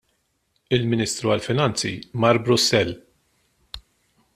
Il-Ministru għall-Finanzi mar Brussell.